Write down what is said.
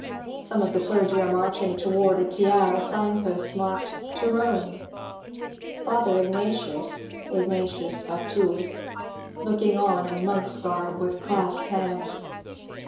Some of the clergy are marching toward a tiara sign post marked ^^To Rome," Father Ignatius (" Ignatius Fatuus ") looking on in monk's srirb with clasped hands.